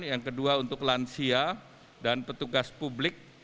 yang kedua untuk lansia dan petugas publik